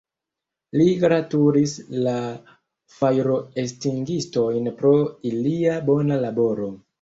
Li gratulis la fajroestingistojn pro ilia bona laboro.